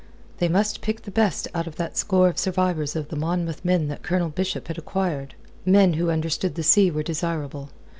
They must pick the best out of that score of survivors of the Monmouth men that Colonel Bishop had acquired. Men who understood the sea were desirable.